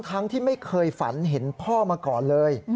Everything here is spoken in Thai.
ที่ไม่เคยฝันเห็นพ่อมาก่อนเลย